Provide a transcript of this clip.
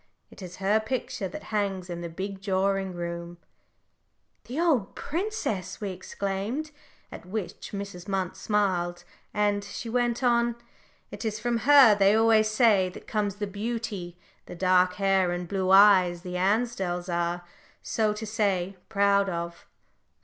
It is her picture that hangs in the big drawing room " "The old princess!" we exclaimed, at which Mrs. Munt smiled "and," she went on, "it is from her, they always say, that comes the beauty the dark hair and blue eyes, the Ansdells are, so to say, proud of.